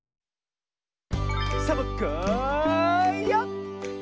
サボ子よ！